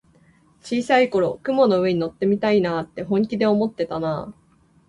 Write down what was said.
小さい頃、雲の上に乗ってみたいって本気で思ってたなあ。